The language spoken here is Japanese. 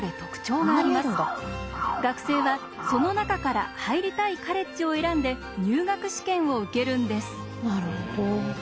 学生はその中から入りたいカレッジを選んで入学試験を受けるんです。